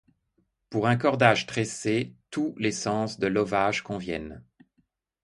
Pour un cordage tressé, tous les sens de lovage conviennent.